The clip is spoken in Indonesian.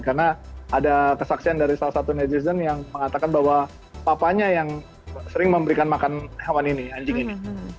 karena ada kesaksian dari salah satu netizen yang mengatakan bahwa papanya yang sering memberikan makan hewan ini anjing ini